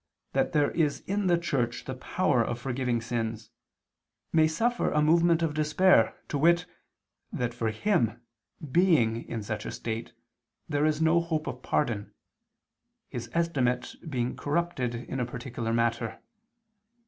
that there is in the Church the power of forgiving sins, may suffer a movement of despair, to wit, that for him, being in such a state, there is no hope of pardon, his estimate being corrupted in a particular matter.